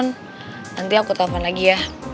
nanti aku telepon lagi ya